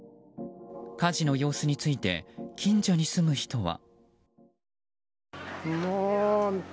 火事の様子について近所に住む人は。